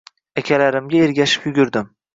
Akalarimga ergashib yugurdim.